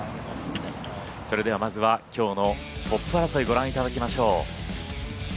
それではまずは、きょうのトップ争いご覧いただきましょう。